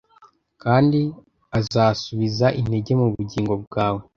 Kandi azasubiza intege mu bugingo bwawe